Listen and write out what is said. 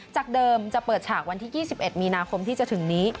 จากเดิมจะเปิดฉากวันที่๒๑มีนาคมที่จะถึงนี้